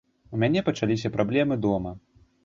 У мяне пачаліся праблемы дома.